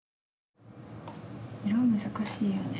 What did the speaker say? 色難しいよね。